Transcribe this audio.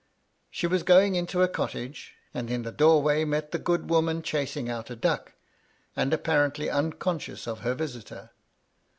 She was going into a cottage, and in the doorway met the good woman chasing out a duck, and apparently unconscious of her visitor.